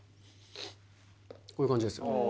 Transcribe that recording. こういう感じです。